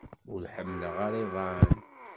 Ur ḥemmleɣ ara iḍan.